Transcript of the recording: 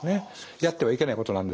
やってはいけないことなんですけども。